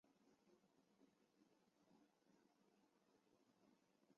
马约尔勒别墅是法国新艺术运动建筑风格最早和最有影响力的例子之一。